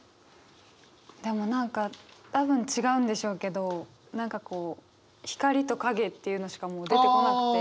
でも何か多分違うんでしょうけど何かこう光と影っていうのしかもう出てこなくて。